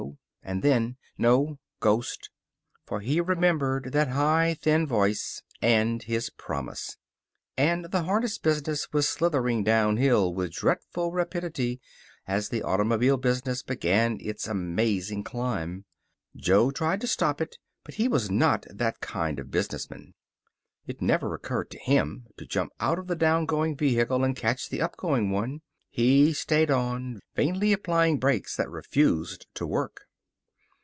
And then, "No. Ghost." For he remembered that high, thin voice, and his promise. And the harness business was slithering downhill with dreadful rapidity, as the automobile business began its amazing climb. Jo tried to stop it. But he was not that kind of businessman. It never occurred to him to jump out of the down going vehicle and catch the up going one. He stayed on, vainly applying brakes that refused to work.